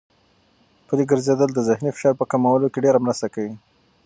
پلي ګرځېدل د ذهني فشار په کمولو کې ډېره مرسته کوي.